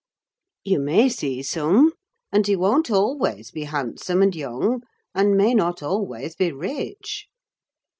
"You may see some; and he won't always be handsome, and young, and may not always be rich."